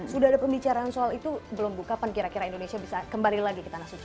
sudah ada pembicaraan soal itu belum buka kapan kira kira indonesia bisa kembali lagi ke tanah suci